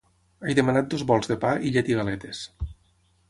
He demanat dos bols de pa i llet i galetes.